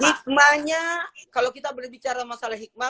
hikmahnya kalau kita boleh bicara masalah hikmah